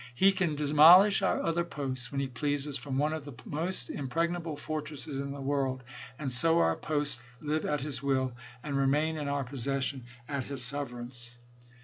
He can de molish our other posts when he pleases from one of the most impregnable fortresses in the world, and so our posts live at his will, and remain in our possession at his sufferance.